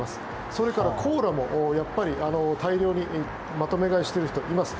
それからコーラも、大量にまとめ買いしている人がいます。